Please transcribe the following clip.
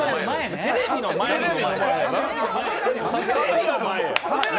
テレビの前や。